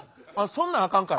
そんなんあかんから。